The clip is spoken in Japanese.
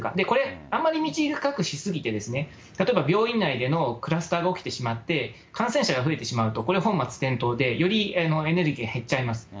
これ、あまり短くし過ぎて、例えば病院内でのクラスターが起きてしまって、感染者が増えてしまうと、これ本末転倒で、よりエネルギーが減っちゃいます。